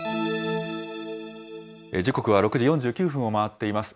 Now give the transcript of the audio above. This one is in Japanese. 時刻は６時４９分を回っています。